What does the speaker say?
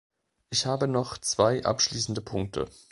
Ich habe noch zwei abschließende Punkte.